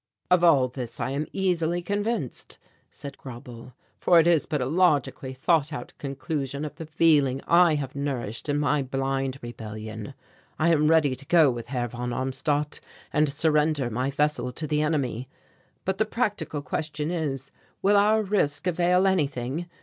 "Of all this I am easily convinced," said Grauble, "for it is but a logically thought out conclusion of the feeling I have nourished in my blind rebellion. I am ready to go with Herr von Armstadt and surrender my vessel to the enemy; but the practical question is, will our risk avail anything?